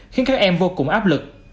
khiến các em vô cùng áp lực